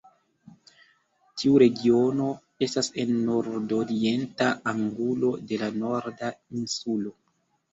Tiu regiono estas en nordorienta angulo de la Norda Insulo.